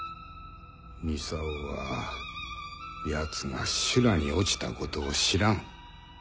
操は奴が修羅に落ちたことを知らん。